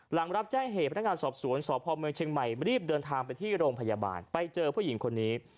หลังรับแจ้งเหตุพนักงานสอบสวนสพเมืองเชียงใหม่รีบเดินทางไปที่โรงพยาบาลไปเจอผู้หญิงคนนี้